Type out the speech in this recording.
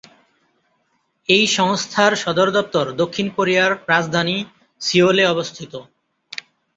এই সংস্থার সদর দপ্তর দক্ষিণ কোরিয়ার রাজধানী সিউলে অবস্থিত।